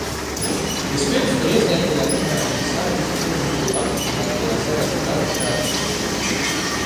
Vispirms par iesniegtajām izmaiņām Saeimas Prezidija apstiprinātajā sēdes darba kartībā.